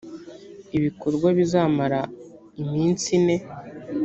ibikorwa bizamara iminsi ine